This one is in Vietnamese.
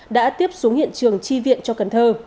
đã tiếp xuống hiện trường chi viện cho cần thơ